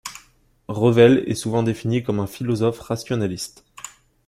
Revel est souvent défini comme un philosophe rationaliste.